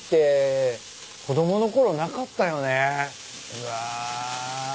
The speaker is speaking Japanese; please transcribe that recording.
うわ。